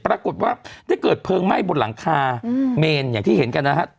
ปรากฏว่าได้เกิดเพลิงไหม้บนหลังคาเมนอย่างที่เห็นกันนะฮะ